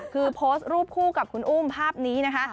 คือโพสต์รูปคู่กับคุณอุ้มภาพนี้นะคะ